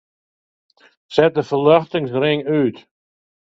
Set de ferljochtingsring út.